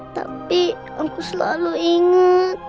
tapi aku selalu inget